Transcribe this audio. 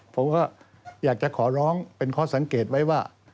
ผมก็อยากจะขอร้องเป็นข้อสังเกตไว้ว่า